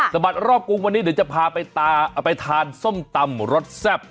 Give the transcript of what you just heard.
บัดรอบกรุงวันนี้เดี๋ยวจะพาไปตาเอาไปทานส้มตำรสแซ่บ